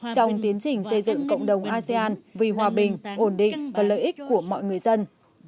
trong tiến trình xây dựng cộng đồng asean vì hòa bình ổn định và lợi ích của mọi người dân